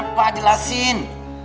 bu retno kenapa jelasin